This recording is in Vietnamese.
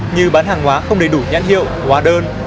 như bán hàng hóa không đầy đủ nhãn hiệu hóa đơn